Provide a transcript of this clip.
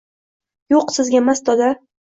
yo’q sizgamas doda